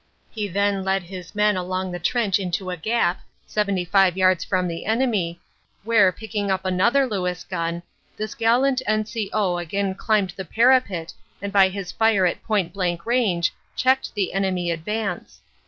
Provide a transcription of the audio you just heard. He then led his men along the trench into a sap, 75 yards from the enemy, where picking up another Lewis gun, this gallant N.C.O. again climbed the parapet and by his fire at point blank range checked the enemy advance.